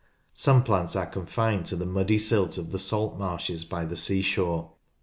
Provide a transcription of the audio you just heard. NATURAL HISTORY 73 Some plants are confined to the muddy silt of the salt marshes by the sea shore.